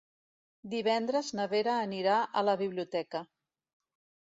Divendres na Vera anirà a la biblioteca.